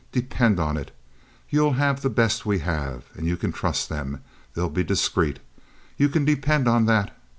"Depend on it, you'll have the best we have, and you can trust them. They'll be discreet. You can depend on that.